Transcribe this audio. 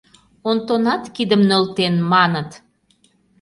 Онтонат кидым нӧлтен, маныт.